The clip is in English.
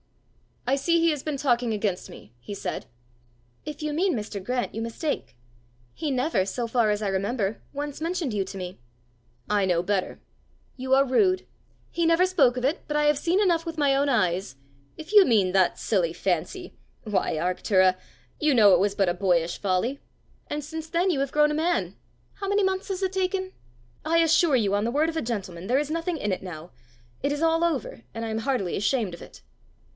"I see he has been talking against me!" he said. "If you mean Mr. Grant, you mistake. He never, so far as I remember, once mentioned you to me." "I know better!" "You are rude. He never spoke of it; but I have seen enough with my own eyes " "If you mean that silly fancy why, Arctura! you know it was but a boyish folly!" "And since then you have grown a man! How many months has it taken?" "I assure you, on the word of a gentleman, there is nothing in it now. It is all over, and I am heartily ashamed of it."